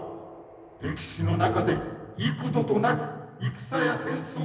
歴史の中で幾度となく戦や戦争を繰り返す。